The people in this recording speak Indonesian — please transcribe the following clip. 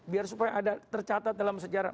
biar supaya ada tercatat dalam sejarah